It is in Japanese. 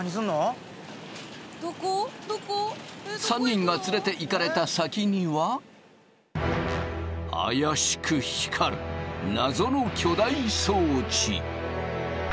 ３人が連れていかれた先には怪しく光る謎の巨大装置。